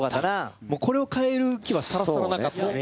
これを変える気はさらさらなかったね。